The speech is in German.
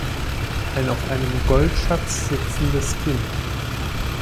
Ein auf einem Goldschatz sitzendes Kind.